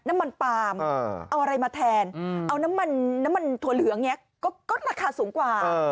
น้ำมันปาล์มเอาอะไรมาแทนเอาน้ำมันน้ำมันถั่วเหลืองก็ราคาสูงกว่า